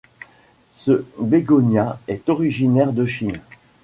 Ce bégonia est originaire de Chine.